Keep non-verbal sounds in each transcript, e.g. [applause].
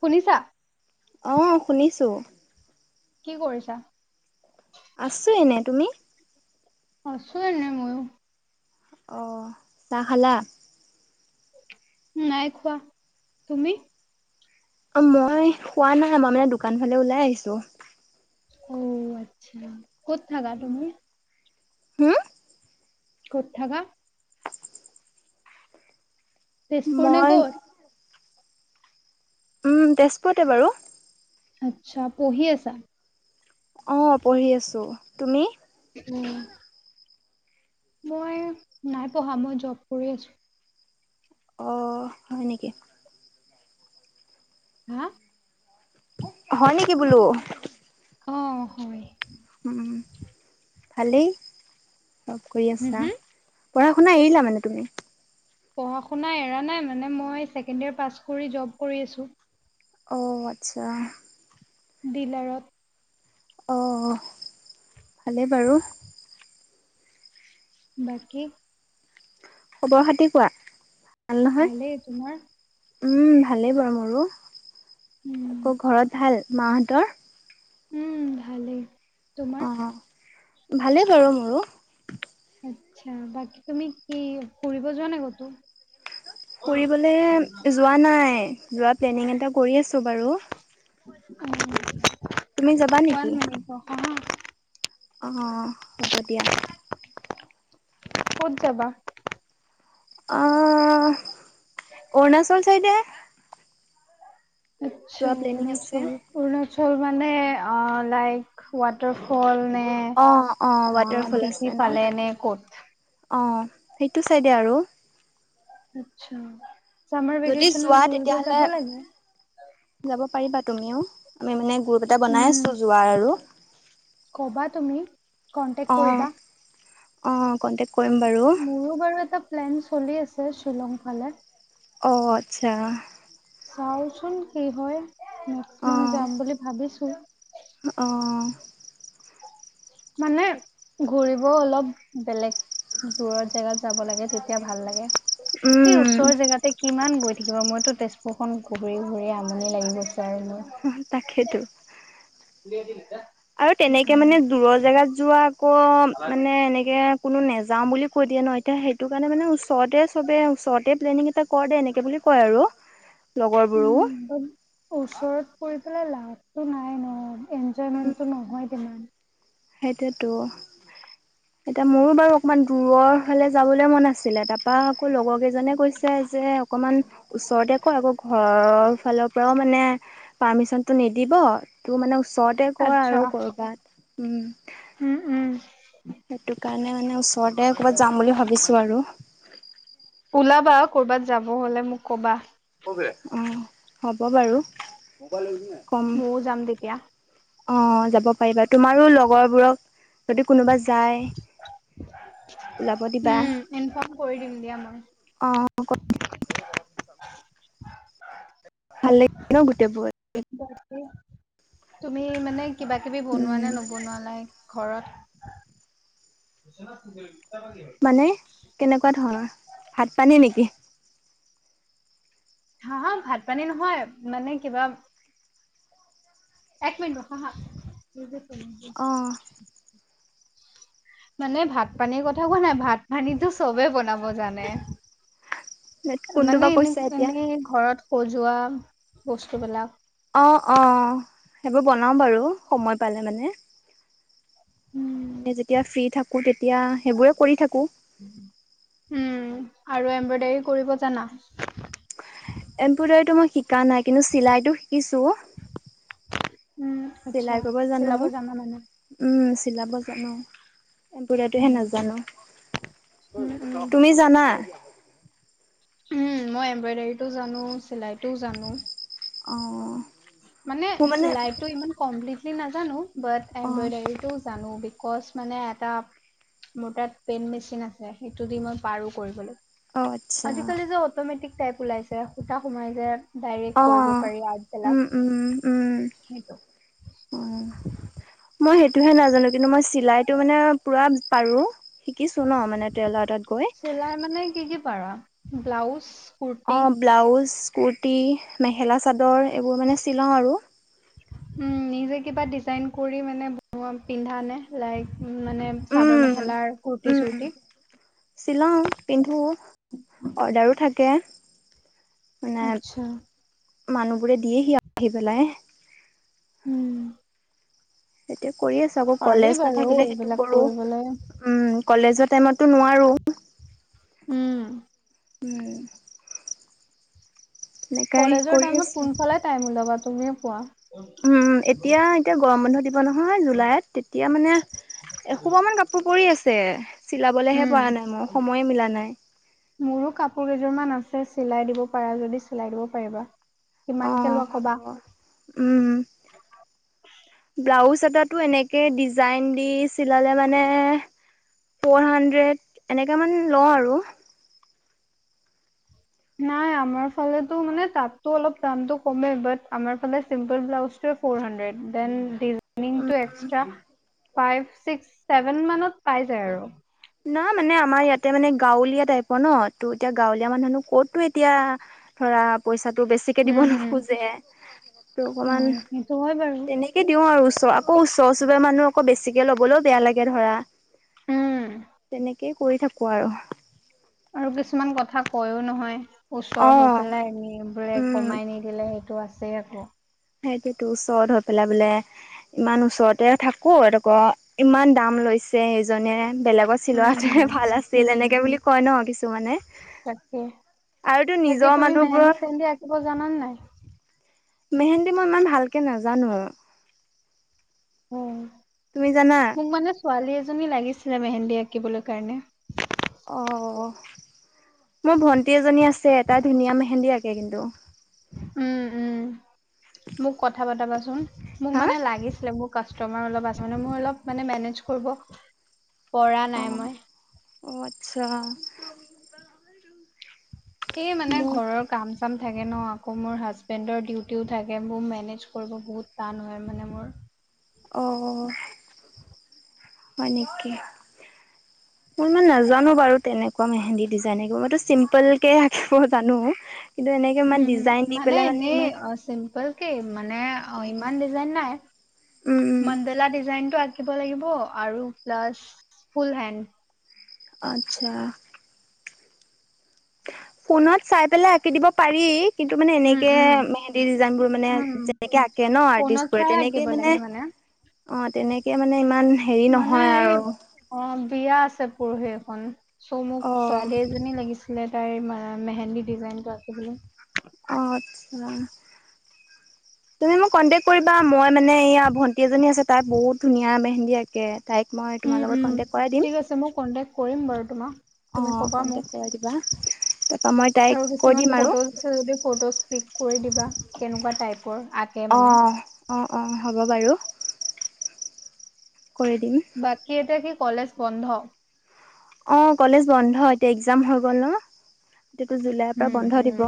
শুনিছা? অ', শুনিছো। কি কৰিছা? আছো এনে তুমি? আছো এনে ময়ো। অ', চাহ খালা? উম নাই খোৱা, তুমি? অ', মই হোৱা নাই মই মানে দোকান ফালে ওলাই আহিছো। অ', আচ্ছা ক'ত থাকা তুমি? হম। ক'ত থাকা? তেজপুৰ না মই ক'ত? উম তেজপুৰতে বাৰু। আচ্ছা পঢ়ি আছা? অ', পঢ়ি আছো, তুমি? উম। মই নাই পঢ়া মই জব কৰি আছো। অ', হয় নেকি? হা? হয় নেকি বোলো? অ', হয়। উম ভালেই জব কৰি হুম আছা? হুম? পঢ়া শুনা এৰিলা মানে তুমি? পঢ়া শুনা এৰা নাই মানে মই ছেকেণ্ড ইয়েৰ পাছ কৰি জব কৰি আছোঁ। অ' আচ্ছা। ডিলাৰত। অ', ভালেই বাৰু। বাকী খবৰ খাতি কোৱা। ভাল নহয় ভালেই তোমাৰ? উম, ভালেই বাৰু মোৰো, উম, আকৌ ঘৰত ভাল মাহঁতৰ? উম ভালেই। তোমাৰ? অ ভালেই বাৰু মোৰো। আতছা বাকী তুমি কি ফুৰিব যোৱা নাই ক'তো? ফুৰিবলে যোৱা নাই, যোৱাৰ প্লেনিং এটা কৰি আছো বাৰু। অ তুমি যাবা নেকি? ভাল। অঁ হ'ব দিয়া। ক'ত যাবা? আহ অৰুণাচল চাইডে। আচ্ছা যোৱা প্লেনিং আছে। অৰুণাচল অৰুণাচল মানে আ লাইক ৱাটাৰফল নে অ অ ৱাটাৰফল টিপি আছে ন ফালে নে তাতে ক'ত? অ। সেইটো চাইডে আৰু। আচ্ছা চামাৰ যদি যোৱা ভেকেচনত ঘূৰিব তেতিয়াহ'লে যাব লাগে। যাব পাৰিবা তুমিও আমি মানে গ্ৰুপ এটা উম বনাইছো যোৱাৰ আৰু। ক'বা তুমি অ কনটেক্ট কৰিবা। অ', কণ্টেক মোৰো বাৰু এটা প্লেন চলি আছে শ্বিলং ফালে। অ আচ্ছা। চাওঁচোন কি হয় নেক্স অ মন্থ যাম বুলি ভাবিছোঁ। অ মানে ঘূৰি ঔ অলপ বেলেগ দূৰৰ জেগাত যাব লাগে তেতিয়া ভাল লাগে। এই ওচৰৰ উম জেগাতে কিমান গৈ থাকিব মইতো তেজপুৰ খন ঘূৰি ঘূৰি আমনি লাগি গৈছে। আৰু মোৰ। তাকেইটো। [inaudible] আৰু তেনেকে মানে দূৰৰ জেগাত যোৱা আকৌ মানে এনেকে কোনো নাযাওঁ বুলি কৈ দিয়ে ন এতিয়া সেইটো কাৰণে মানে ওচৰতে চবেই ওচৰতে প্লেনিং এটা কৰ দে এনেকৈ বুলি কয় আৰু। লগৰবোৰো উম ওচৰত পৰি পেলাই লাভটো নাই ন। এনজয়মেণ্টটো নহয় তিমান। সেইটোয়েটো। এতিয়া মোৰো বাৰু অকমান দূৰৰ হাললে যাবলৈ মন আছিলে তাৰপা আকৌ লগৰ কেইজনে কৈছে যে অকমান ওচৰতে কৰ আকৌ ঘৰৰ ফালৰ পৰাও মানে পাৰ্মিশনটো নিদিব টো মানে তহঁতে কৰ আচ্ছা আৰু কৰবাত উম। উম উম। সেইটো কাৰণে মানে ওচৰতে কৰবাত যাম বুলি ভাবিছো আৰু। ওলাবা কৰ'বাত যাব হলে মোক কবা। অ হ'ব বাৰু। কম ময়ো যাম তেতিয়া। অ যাব পাৰিবা তোমাৰো লগৰবোৰক যদি কোনোবা যায় ওলাব দিবা উম ইনফৰ্ম কৰি দিম দিয়া মই। [unintelligible] ভাল লাগিল ন গোটেই বোৰ বাকী তুমি মানে কিবা কিবি বনোৱা নে উম নবনোৱা লাইক ঘৰত মানে কেনেকুৱা ধৰণৰ ভাত পানী নেকি? হা হা ভাত পানী নহয় মানে কিবা এক মিনট ৰখা হা অঁ মানে ভাত-পানীৰ কথা কোৱা নাই। ভাত-পানীটো চবে বনাব জানে। কোনটো বা মানে এনে কৈছা এতিয়া এনেকে ঘৰত সজোৱা বস্তুবিলাক অ অ সেইবোৰ বনাও বাৰু সময় পালে মানে। উম এ যেতিয়া ফ্ৰী থাকো তেতিয়া সেইবোৰে কৰি থাকো। উম আৰু এমব্ৰইডাৰী কৰিব জানা? এম্ব্ৰডাৰীতো মই শিকা নাই কিন্তু চিলাইটো শিকিছো। উম আচ্ছা চিলাই কৰিব জানো। চিলাব জানা মানে উম, চিলাব জানো। এম্ব্ৰডাৰী টোহে উম নাজানো উম উম। তুমি জানা? উম মই এম্ব্ৰডাৰীটো জানো চিলাইটোও জানো। অ মানে চিলাইটো ইমান কমপ্লিটলি নাজানো বাট অ এম্ব্ৰডাৰীটো জানো। কচ মানে এটা মোৰ তাত পেইন মেচিন আছে সেইটো দি মই পাৰো কৰিবলৈ। অ আচ্ছা আজিকালি যে অট'মেটিক টাইপ ওলাইছে, সুতা সোমাই যে অ ডাইৰেক্ট কৰিব পাৰি উম আৰ্টবিলাক। উম উম সেইটো অ মই সেইটোহে নাজানো কিন্তু মই চিলাইটো মানে পুৰা পাৰো। শিকিছো ন মানে তেলাৰ তাত গৈ চিলাই মানে [unintelligible] ব্লাউজ অ কুৰ্তি ব্লাউজ, কুুৰ্টি, মেখেলা চাদৰ এইবোৰ মানে চিলাও আৰু। উম, নিজে কিবা ডিজাইন কৰি মানে বনোৱা পিন্ধা নে লাইক উ মানে চাদৰ মেখেলাৰ কুৰ্তি চুৰ্তি শ্বিলাও পিন্ধোঁ অৰ্ডাৰো থাকে আচ্ছা মানুহ বোৰে দিয়ে সি আহি পেলাই উম সেইটো কৰি আছো আকৌ পাৰি কলেজ বাৰু নাথাকিলে সেইটো এইবিলাক কৰো কৰিবলৈ উম কলেজৰ টাইমতো নোৱাৰো উম উম সেনেকাই কলেজৰ কৰি টাইমত আছো কোনফালে টাইম ওলাবা তুমি পোৱা উম এতিয়া এতিয়া গৰম বন্ধৰ নহয় জুলাইত তেতিয়া মানে এশোপা মান কাপোৰ পৰি আছে চিলাবলেহে উম পৰা নাই মোৰ সময়ে মিলা নাই মোৰো কাপোৰ কেইযোৰমান আছে চিলাই দিব পাৰা যদি চিলাই দিব পাৰিবা অ কিমানকে লোৱা হ'ব কবা উম ব্লাউজ এটাত টো এনেকে ডিজাইন দি চিলালে মানে ফ'ৰ হাণ্ড্ৰেড এনেক মান লওঁ আৰু নাই আমাৰ ফালো মানে তাতো অলপ দামতটো কমেই ব আমাৰ ফালে simple blouse four hundred then the um, [unintelligible] extra five six seven মানত পাই যায় আৰু না মানে আমাৰ ইয়াতে মানে গাঁৱলীয়া টাইপৰ ন ত এতিয়া গাঁৱলীয়া মানুহনো ক'তো এতিয়া ধৰা পইচা তটো বেছিকে দিব উম হুম নোখোজে ত অকমান উম সেইটো হয় বাৰু তেনেকে দিওঁ আৰু আকৌ ওচৰ চুবুৰ মানুহকৌ বেছিকে ল'বলৈও বেয়া লাগে ধৰা উম তেনেকেই কৰি থাকো আৰু। আৰু কিছুমান কথা কৈও নহয়। ওচৰ হৈ অ', পেলাই এনেই বোৰে উম, কমাই নিদিলে, সেইটো আছেই আকৌ। সেইটো ওচৰত হৈ পেলাই বোলে ইমান ওচৰতে থাকোঁ এতক ইমান দাম লৈ লৈছে ইজনে। বেলেগত উম হুম চিলোৱাটো ভাল উম আছিল হুম এনেকে বুলি কয় ন কিছুমানে? তাকে আৰুতো তাকে নিজৰ তুমি মানুহবোৰৰ মেহেন্দী-চেহন্দী আঁকিব জানান নাই। মেহেন্দী মই ইমান ভালকে নাজানোঁ। উ তুমি জানা? মোক মানে ছোৱালী এজন এজনী লাগিছিলে মেহেন্দী আঁকিবলৈ কাৰণে। অ'। মোৰ ভন্টি এজনী আছে এটা ধুনীয়া মেহেন্দী আাকে কিন্তু। উম উম মোক কথা পতাবাচোন মোক হা মানে লাগিছিলে, মোৰ কাষ্টমাৰ অলপ আছে ন‌, মোৰ অলপ মেনেজ কৰিব পৰা নাই অ', মই। অ', আচ্ছা সেই মানে মোৰ ঘৰৰ কাম। থাকে ন আকৌ মোৰ হাছবেণ্ডৰ ডিউটিও থাকে, মোৰ মেনেজ কৰিব বহুত টান হয় মানে মোৰ অ' হয় নেকি। মই ইমান নাজানো বাৰু তেনেকুৱা মেহেন্দী ডিজাইন মইতো চিম্পুল কে আঁকিব জানো। কিন্তু এনেকে ইমান উম ডিজাইন দি পেলাই মানে এনেই ইমান চিম্পল মানে ইমান ডিজাইন নাই, উম উম মন্দেলা ডিজাইন আঁকিব লাগিব আৰু প্লাচ ফুল হেণ্ড। আচ্ছা ফোনত চাই পেলাই আঁকি দিব পাৰি। কিন্তু মানে উম এনেকে উম মেহেন্দী ডিজাইনবোৰ মানে উম যেনেকে আঁকে ন আৰ্টিষ্ট ফোনত বোৰে চাই তেনেকেই আঁকিব মানে লাগে অ তেনেকে মানে ইমান হেৰি মানে নহয় এই আৰু অ বিয়া আছে পৰহি এখন চ' মোক অ ছোৱালী এজনী লাগিছিলে, তাইৰ মেহেন্দী ডিজাইনটো আছে বোলে। অ আচ্ছা তুমি মোক কন্টেক্ট কৰিবা মই মানে এইয়া ভণ্টি এজনী আছে, তাই বহুত ধুনীয়া মেহেন্দী আঁকে। তাইক মই উম তোমাৰ লগত উম কণ্টেক্ট কৰাই দিম। ঠিক আছে মই কন্টেক্ট কৰিম বাৰু তোমাক অ তুমি ক'বা মোক কণ্টেক কৰাই দিবা। তাৰপা মই তাইক আৰু কৈ কিছুমান দিম আৰু ফটো আছে যদি ফটো স্পিক কৰি দিবা কেনেকুৱা টাইপৰ আঁকে অ মানে। অ অ' হ'ব বাৰু। কৰি দিম বাকী এতিয়া কি কলেজ বন্ধ? অ' কলেজ বন্ধ, এতিয়া এক্জাম হৈ গ'ল ন। এতিয়াতো জুলাইৰ উ পৰা বন্ধ উ দিব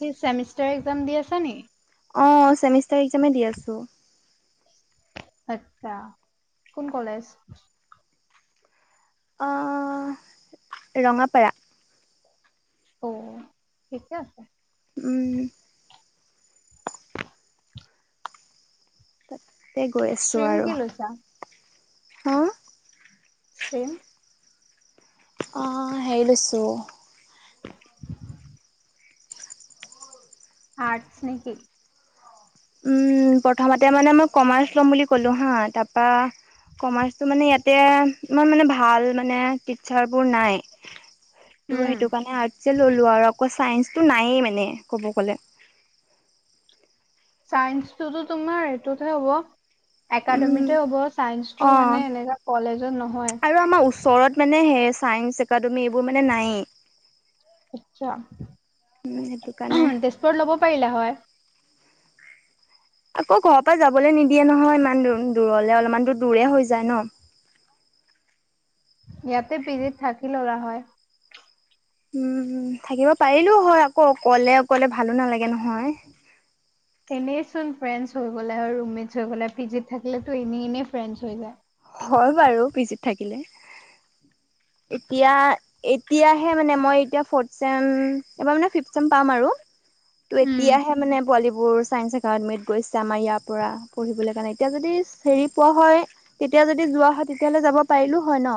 স চেমিষ্টাৰ এক্জাম দি আছ নি? অ' চেমিষ্টাৰ এক্জামে দি আছোঁ। আচ্ছা কোন কলেজ? অ ৰঙাপাৰা। অ' ঠিকে আছে। উম তাতে গৈ আছোঁ ষ্ট্ৰীম আৰু। কি লৈছা হা? ষ্ট্ৰ্ৰীম। অ হেৰি লৈছো। আৰ্টচ নেকি? উম, প্ৰথমতে মানে মই কমাৰ্চ ল'ম বুলি ক'লো হা তাৰপা কমাৰ্চটো মানে ইয়াতে ইমান মানে ভাল মানে টিচাৰবোৰ নাই, ত' উম সেইটো কাৰণে আৰ্টচে ল'লোঁ আৰু আকৌ চাইনচ টো নাইয়ে মানে ক'ব গ'লে‌। চাইন্সটোতো তোমাৰ এইটোতহে হ'ব। উম, একাডেমিতে হ'ব ছাইন্সটো অ', মানে এনেকা কলেজত নহয়। ছাইন্স একাডেমী এইবোৰ মানে নায়েই। আচ্ছা, উম, সেইটো কাৰণে তেজপুৰত ল'ব পাৰিলা হয়। আকৌ ঘৰৰ পৰাই যাবলৈ নিদিয়ে নহয়। ইমান দূ দূৰলে অলপমান দূৰে হৈ যায় ন- ইয়াতে পিৰিত থাকি ললা হয়। উম উম থাকিব পাৰিলোও হয় আকৌ অকলে অকলে ভালো নালাগে নহয়। এনেই চোন ফ্ৰেণ্ডছ হৈ গ'লা। আৰু ৰুমমেট হৈ গ'লে পি জিত থাকিলেতো এনেই এনেই ফ্ৰেণ্ডছ হৈ যায়। হয় বাৰু পি জিত থাকিলে। এতিয়া এতিয়াহে মানে মই এতিয়া ফৰ্ট ছেম এইবাৰ মানে ফিফত ছেম পাম আৰু। ত' উম এতিয়াহে মানে পোৱালিবোৰ। ছাচাইন্স একাডেমীত গৈছে আমাৰ ইয়াৰ পৰা পঢ়িবলৈ। কাৰণে এতিয়া যদি হেৰি পোৱা হয়। তেতিয়া যদি যোৱা হয়। তেতিয়া হ'লে যাব পাৰিলো হয় ন।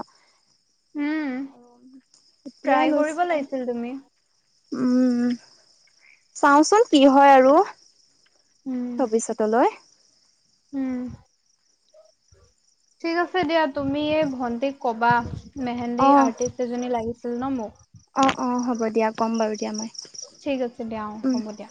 উম অ এতিয়া ট্ৰাই কৰিব লৈছে। লাগিছিল তুমি উম চাওচোন কি হয় আৰু। উম ভৱিষ্যতলৈ। উম। ঠিক আছে দিয়া তুমিয়ে ভন্টিক কবা। মেহেন্দী আৰ্টিষ্ট দুজনী লাগিছিল ন মোক। অ'অ' হ'ব দিয়া ক'ম বাৰু দিয়া মই। ঠিক আছে দিয়া অ উম হ'ব দিয়া।